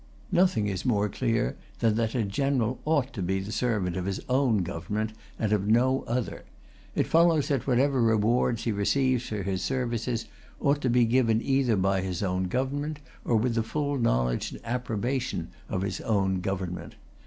Nothing is more clear than that a general ought to be the servant of his own government, and of no other. It follows that whatever rewards he receives for his services ought to be given either by his own government, or with the full knowledge and approbation of his own government.